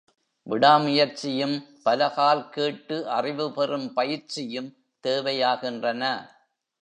விடாமுயற்சியும், பலகால் கேட்டு அறிவுபெறும் பயிற்சியும் தேவையாகின்றன.